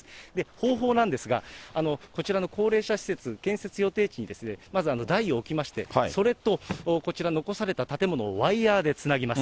方法なんですが、こちらの高齢者施設、建設予定地に、まず台を置きまして、それとこちら、残された建物をワイヤーでつなぎます。